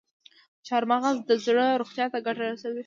چارمغز د زړه روغتیا ته ګټه رسوي.